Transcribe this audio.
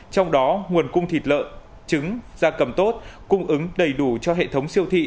trong đó nguồn cung thịt lợn trứng gia cầm tốt cung ứng đầy đủ cho hệ thống siêu thị